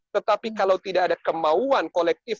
tetapi kalau tidak ada kemauan kolektif